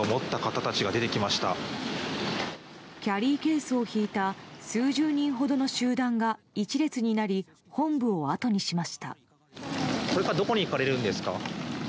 キャリーケースを引いた数十人ほどの集団が一列になり本部をあとにしました。